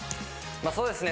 そうですね。